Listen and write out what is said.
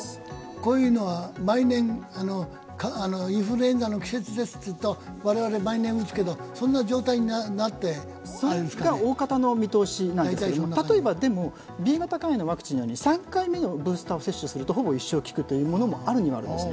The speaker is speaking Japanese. こういうのはインフルエンザの季節ですというと我々毎年打つけど、そんな状態になって、そんな感じに？というのが大方の見通しなんですが例えばＢ型肝炎のワクチンのようにブースターワクチンを接種するとほぼ一生効くというものもあるにはあるんですね。